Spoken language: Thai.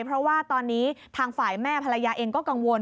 เพราะว่าตอนนี้ทางฝ่ายแม่ภรรยาเองก็กังวล